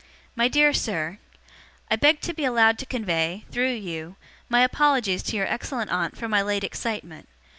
'MY DEAR SIR, 'I beg to be allowed to convey, through you, my apologies to your excellent aunt for my late excitement.